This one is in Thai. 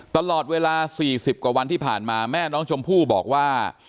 ตลอดเวลา๔๐กว่าวันที่ผ่านมาแม่น้องชมพู่บอกว่า